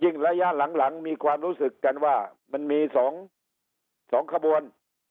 ระยะหลังมีความรู้สึกกันว่ามันมี๒ขบวน